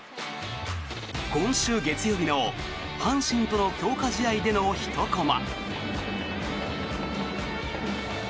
今週月曜日の阪神との強化試合でのひとコマ。